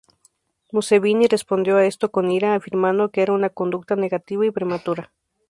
Museveni respondió a esto con ira, afirmando que era una "conducta negativa y prematura".